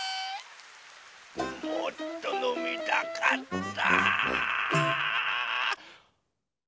もっとのみたかった！